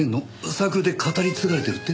サークルで語り継がれてるって？